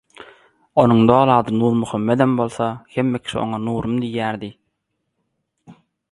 Onuň doly ady Nurmuhammedem bolsa, hemme kişi oňa Nurum diýýärdi.